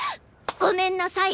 ごめんなさい！